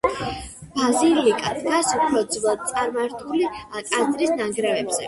ბაზილიკა დგას უფრო ძველ, წარმართული ტაძრის ნანგრევებზე.